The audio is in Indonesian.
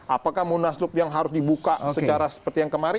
apakah munaslup yang harus dibuka secara seperti yang kemarin